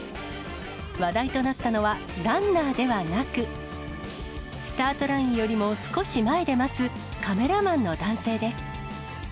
話題となったのはランナーではなく、スタートラインよりも少し前で待つカメラマンの男性です。